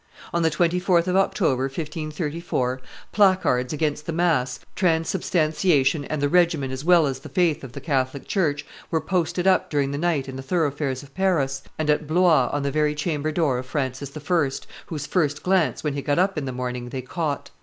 On the 24th of October, 1534, placards against the mass, transubstantiation, and the regimen as well as the faith of the Catholic church, were posted up during the night in the thoroughfares of Paris, and at Blois on the very chamberdoor of Francis I., whose first glance, when he got up in the morning, they caught.